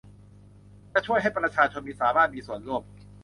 จะช่วยให้ประชาชนสามารถมีส่วนร่วม